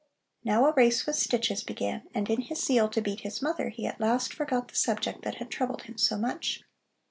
Now a race with stitches began, and in his zeal to beat his mother he at last forgot the subject that had troubled him so much.